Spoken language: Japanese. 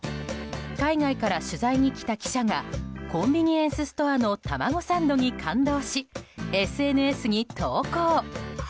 海外から取材に来た記者がコンビニエンスストアの卵サンドに感動しＳＮＳに投稿。